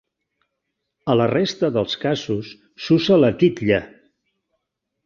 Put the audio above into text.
A la resta dels casos s'usa la titlla.